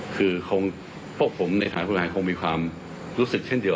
คงพวกผมในฐานบุคคลมิความรู้สึกเช่นเดียว